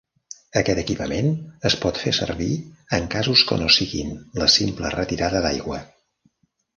Aquest equipament es pot fer servir en casos que no siguin la simple retirada d'aigua.